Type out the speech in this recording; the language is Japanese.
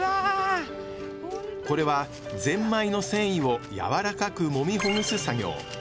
これはぜんまいの繊維をやわらかくもみほぐす作業。